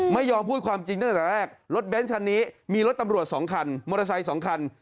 ไม่ยอมพูดความจริงตั้งแต่แรกรถเบ้นคันนี้มีรถตำรวจ๒คันมอเตอร์ไซค์๒คัน